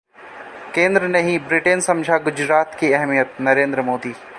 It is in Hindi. केंद्र नहीं, ब्रिटेन समझा गुजरात की अहमियतः नरेंद्र मोदी